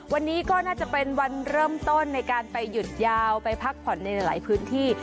วันนี้ก็น่าจะเป็นวันเริ่มต้นในการไปหยุดยาวไปพักผ่อนในหลายพื้นที่